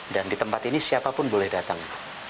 dan di tempat ini siapapun boleh datang